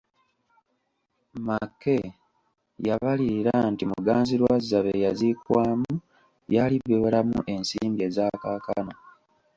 Mackay yabalirira nti Muganzirwazza bye yaziikwamu byali biweramu ensimbi eza kaakano.